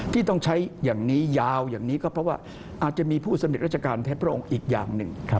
ที่ต้องใช้อย่างนี้ยาวอย่างนี้ก็เพราะว่าอาจจะมีผู้สำเร็จราชการแทนพระองค์อีกอย่างหนึ่ง